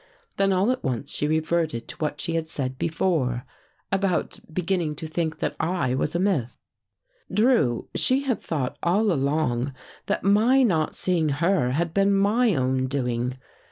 Then all at once she reverted to what she had said before, about beginning to think that I was a myth. " Drew, she had thought all along, that my not seeing her had been my own doing.